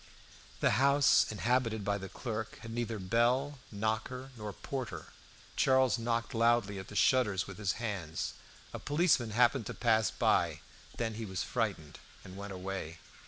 The house inhabited by the clerk had neither bell, knocker, nor porter. Charles knocked loudly at the shutters with his hands. A policeman happened to pass by. Then he was frightened, and went away.